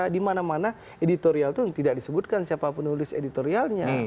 di mana mana editorial itu tidak disebutkan siapa penulis editorialnya